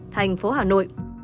thành phố hà nội